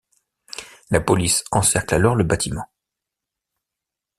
La police encercle alors le bâtiment.